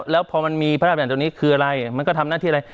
แล้วพอมันมีพระราชบันตัวนี้คืออะไรมันก็ทำหน้าที่อะไร